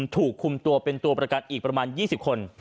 ถูกคุมตัวเป็นตัวประกันอีกประมาณ๒๐คน